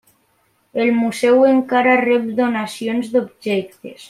El museu encara rep donacions d'objectes.